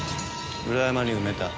裏山に埋めた。